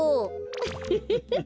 ウフフフ。